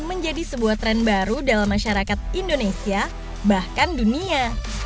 menjadi sebuah tren baru dalam masyarakat indonesia bahkan dunia